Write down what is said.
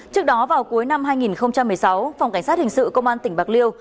trước đó vào cuối năm hai nghìn một mươi sáu phòng cảnh sát hình sự công an tỉnh bạc liêu